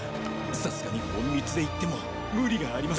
さすがに隠密で行っても無理があります。